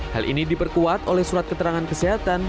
hal ini diperkuat oleh surat keterangan kesehatan